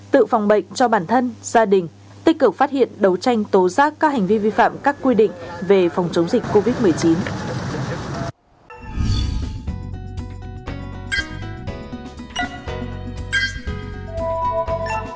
tự phòng bệnh cho bản thân gia đình tích cực phát hiện đấu tranh tố giác các hành vi vi phạm các quy định về phòng chống dịch covid một mươi chín